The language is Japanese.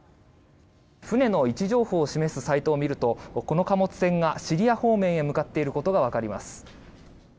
船の位置情報を示すサイトを見るとこの貨物船がシリア方面に向かっていることがわかります。